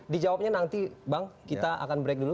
di jawabnya nanti bang kita akan break dulu